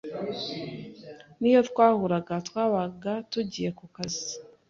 n’iyo twahuraga twabaga tugiye mu kazi